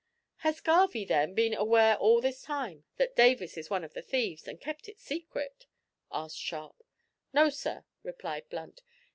"Has Garvie, then, been aware all this time that Davis is one of the thieves, and kept it secret?" asked Sharp. "No, sir," replied Blunt.